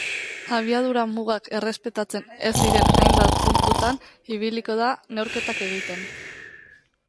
Abiadura mugak errespetatzen ez diren hainbat puntutan ibiliko da neurketak egiten.